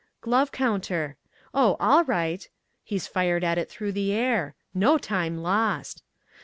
'Glove counter.' 'Oh, all right.' He's fired at it through the air. No time lost.